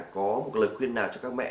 có một lời khuyên nào cho các mẹ